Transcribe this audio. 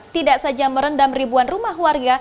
tidak saja merendam ribuan rumah warga